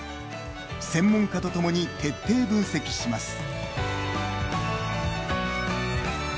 専門家と共に徹底分析します。